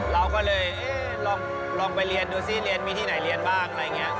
เราก็เลยเอ๊ะลองไปเรียนดูซิเรียนมีที่ไหนเรียนบ้างอะไรอย่างนี้